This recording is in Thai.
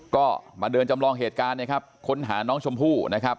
ก็มาเดินจำลองเหตุการณ์นะครับค้นหาน้องชมพู่นะครับ